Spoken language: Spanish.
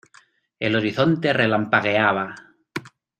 el horizonte relampagueaba.